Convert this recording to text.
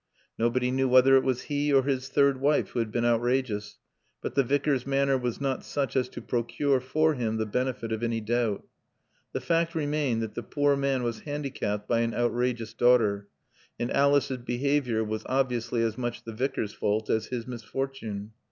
Nobody knew whether it was he or his third wife who had been outrageous, but the Vicar's manner was not such as to procure for him the benefit of any doubt. The fact remained that the poor man was handicapped by an outrageous daughter, and Alice's behavior was obviously as much the Vicar's fault as his misfortune.